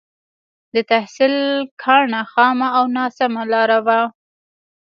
د تحصيل کاڼه خامه او ناسمه لاره وه.